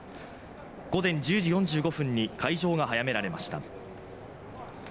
午前１０時４５分に開場が早められました。